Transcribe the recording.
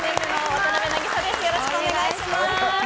よろしくお願いします。